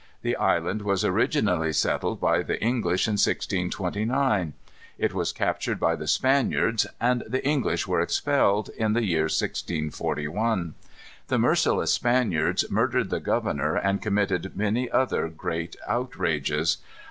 The island was originally settled by the English in 1629. It was captured by the Spaniards, and the English were expelled, in the year 1641. The merciless Spaniards murdered the governor, and committed many other great outrages.